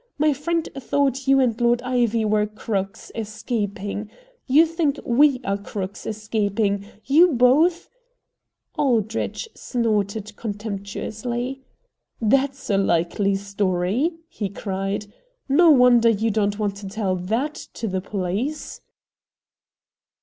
My friend thought you and Lord Ivy were crooks, escaping. You think WE are crooks, escaping. You both " Aldrich snorted contemptuously. "That's a likely story!" he cried. "No wonder you don't want to tell THAT to the police!"